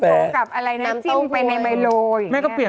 ปลาต้งโกะกับน้ำจิ้มไปในมัยโลยี